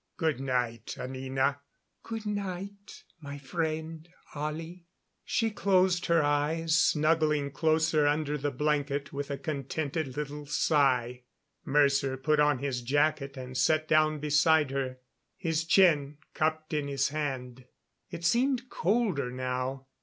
"Good night, Anina." "Good night, my friend Ollie." She closed her eyes, snuggling closer under the blanket with a contented little sigh. Mercer put on his jacket and sat down beside her, his chin cupped in his hand. It seemed colder now.